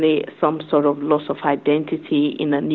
tiba tiba ada kehilangan identitas di tempat baru